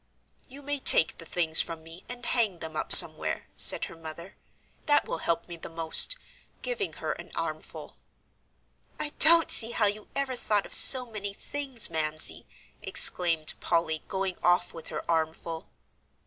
"You may take the things from me, and hang them up somewhere," said her mother; "that will help me the most," giving her an armful. "I don't see how you ever thought of so many things, Mamsie!" exclaimed Polly going off with her armful.